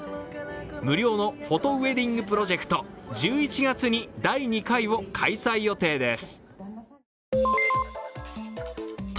無料のフォトウエディングプロジェクト１１月に第２回を開催予定です。